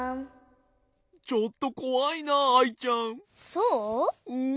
ちょっとこわいなアイちゃん。